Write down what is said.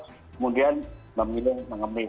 kemudian memilih mengemis